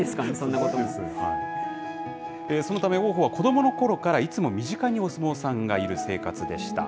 そのため、王鵬は子どものころからいつも身近にお相撲さんがいる生活でした。